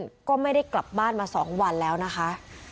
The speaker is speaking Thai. แล้วก็ไม่ได้กลับบ้านมา๒วันแล้วนะคะ